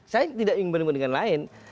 saya tidak ingin berni beni dengan lain